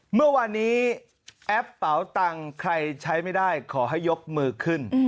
เมื่อวานนี้แอปเป๋าตังค์ใครใช้ไม่ได้ขอให้ยกมือขึ้น